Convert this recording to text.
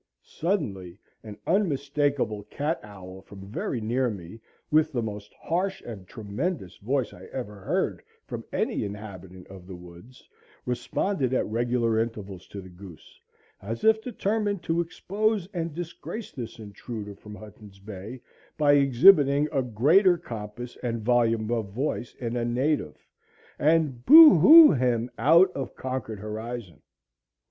Suddenly an unmistakable cat owl from very near me, with the most harsh and tremendous voice I ever heard from any inhabitant of the woods, responded at regular intervals to the goose, as if determined to expose and disgrace this intruder from Hudson's Bay by exhibiting a greater compass and volume of voice in a native, and boo hoo him out of Concord horizon.